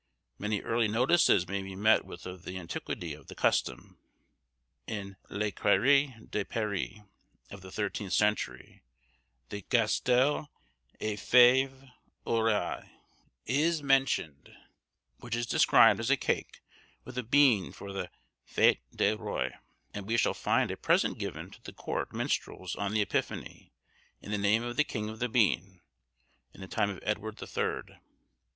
Many early notices may be met with of the antiquity of the custom. In "Les Crieries de Paris," of the thirteenth century, the "Gastel à fève orroiz" is mentioned, which is described as a cake, with a bean for the "Fête de Rois," and we shall find a present given to the court minstrels on the Epiphany, in the name of the king of the bean, in the time of Edward the Third.